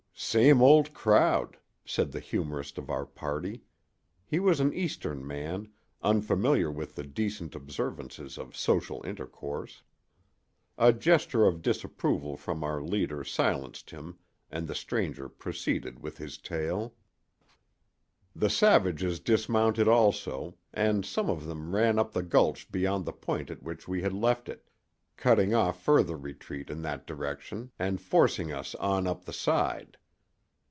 "Same old crowd," said the humorist of our party. He was an Eastern man, unfamiliar with the decent observances of social intercourse. A gesture of disapproval from our leader silenced him and the stranger proceeded with his tale: "The savages dismounted also, and some of them ran up the gulch beyond the point at which we had left it, cutting off further retreat in that direction and forcing us on up the side.